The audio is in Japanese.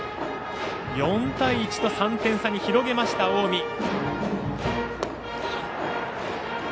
４対１と３点差に広げました、近江。